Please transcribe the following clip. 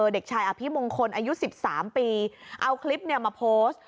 เด็กชายอภิมงคลอายุ๑๓ปีเอาคลิปมาโพสต์